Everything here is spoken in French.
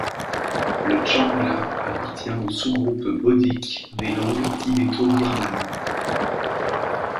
Le tshangla appartient au sous-groupe bodique des langues tibéto-birmanes.